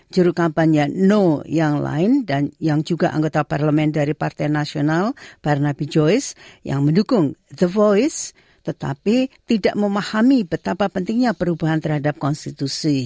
juru kampanye no yang lain dan yang juga anggota parlemen dari partai nasional barnabi joyce yang mendukung the voice tetapi tidak memahami betapa pentingnya perubahan terhadap konstitusi